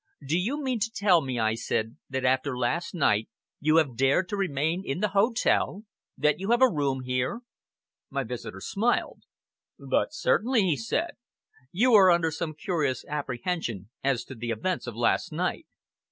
"Do you mean to tell me," I said, "that, after last night, you have dared to remain in the hotel that you have a room here?" My visitor smiled. "But certainly," he said, "you are under some curious apprehension as to the events of last night.